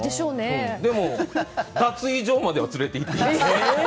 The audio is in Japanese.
でも脱衣所までは連れていっています。